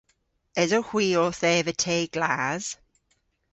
Esowgh hwi owth eva te glas?